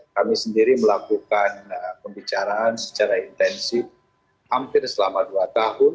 kami sendiri melakukan pembicaraan secara intensif hampir selama dua tahun